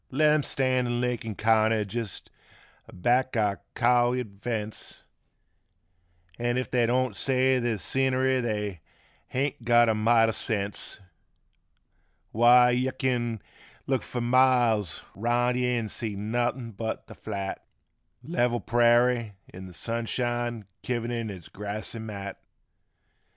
Let 'em. stand in Lincoln county jest aback our cowyard fence, An' if they don't say there's scenery they haint got a mite o' sense ; Why yuh kin look fur miles around yuh an' see nothin' but th' flat Level prairie in th' sunshine kivered in its grassy mat.